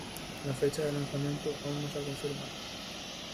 La fecha de lanzamiento aún no se ha confirmado.